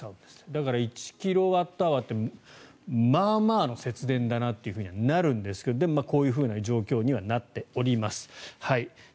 だから、１キロワットアワーってまあまあの節電だなとはなるんですがでもこういう状況にはなっております。